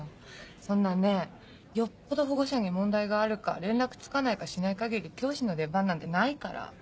そんなねぇよっぽど保護者に問題があるか連絡つかないかしない限り教師の出番なんてないから。